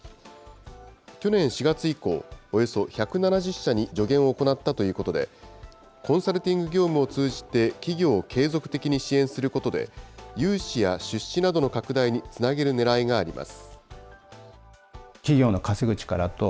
去年４月以降、およそ１７０社に助言を行ったということで、コンサルティング業務を通じて企業を継続的に支援することで、融資や出資などの拡大につなげるねらいがあります。